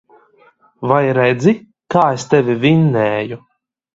Vai redzi, kā es tevi vinnēju.